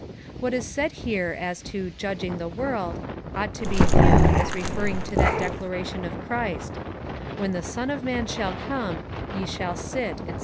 What is said here as to judging the world ought to be viewed as referring to that declaration of Christ : When the Son of Man shall come, ye shall sit, &c.